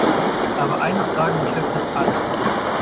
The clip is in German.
Aber eine Frage beschäftigt alle.